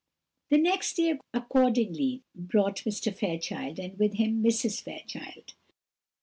The next day accordingly brought Mr. Fairchild, and with him Mrs. Fairchild.